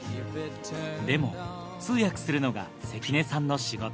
でも通訳するのが関根さんの仕事。